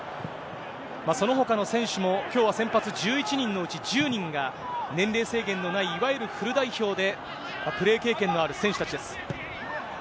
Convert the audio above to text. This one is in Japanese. そのほかの選手も、きょうは先発１１人のうち１０人が、年齢制限のないいわゆるフル代表でプレー経験のある選手たちです。